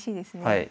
はい。